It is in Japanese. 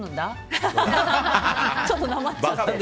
ちょっとなまっちゃっている。